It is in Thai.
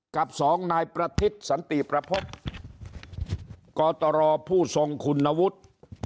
กับ๒นายประธิดสันตีประพพกทผู้ทรงนคุณวุฒิ